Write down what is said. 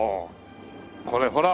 これほら。